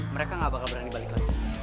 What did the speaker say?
mereka gak bakal berani balik lagi